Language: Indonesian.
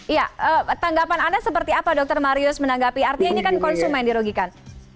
iya tanggapan anda seperti apa dr marius menanggapi artinya ini kan konsumen dirugikan